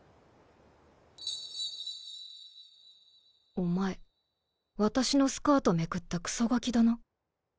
お前私のスカートめくったクソガキだな。